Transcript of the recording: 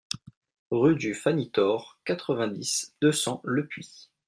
Rue du Phanitor, quatre-vingt-dix, deux cents Lepuix